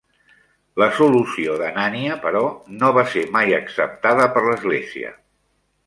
La solució d'Anania, però, no va ser mai acceptada per l'església.